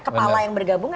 kepala yang bergabung